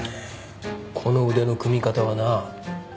この腕の組み方はな。